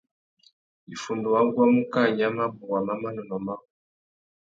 Iffundu wa guamú kā nya mabôwa má manônôh mabú.